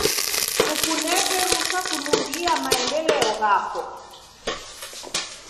Kukuneke rusa kunughia maendeleo ghako.